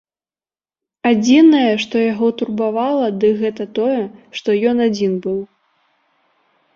Адзінае, што яго турбавала, дык гэта тое, што ён адзін быў.